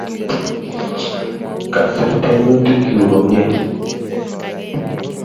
Kasir tyemutik chuk komnye